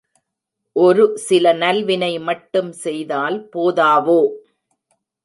ஒரு சில நல்வினை மட்டும் செய்தால் போதாவோ?